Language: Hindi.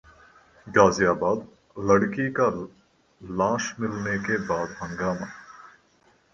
गाजियाबाद: लड़की की लाश मिलने के बाद हंगामा